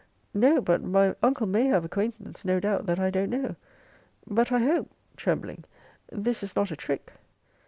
No; but my uncle may have acquaintance, no doubt, that I don't know. But I hope [trembling] this is not a trick.